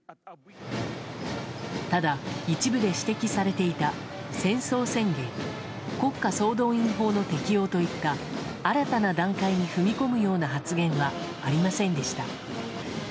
ただ、一部で指摘されていた戦争宣言国家総動員法の適用といった新たな段階に踏み込むような発言はありませんでした。